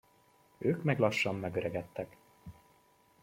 Ők meg lassan megöregedtek.